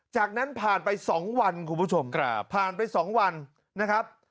จากนั้นผ่านไป๒วันครับ